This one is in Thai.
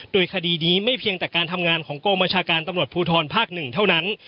โดยคดีนี้ไม่เพียงแต่การทำงานของกองบัญชาการตำรวจภูทรภาค๑เท่านั้น